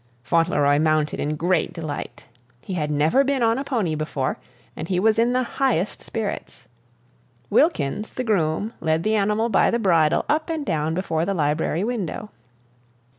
Fauntleroy mounted in great delight. He had never been on a pony before, and he was in the highest spirits. Wilkins, the groom, led the animal by the bridle up and down before the library window.